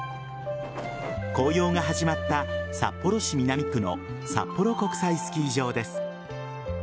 紅葉が始まった札幌市南区の札幌国際スキー場です。